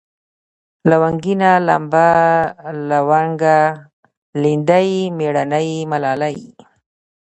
لونگينه ، لمبه ، لونگه ، ليندۍ ، مېړنۍ ، ملالۍ